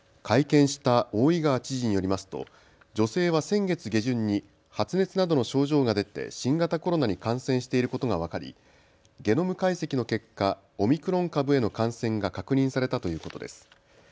会見した大井川知事によりますと女性は先月下旬に発熱などの症状が出て新型コロナに感染していることが分かり、ゲノム解析の結果、オミクロン株への感染が確認されたということです。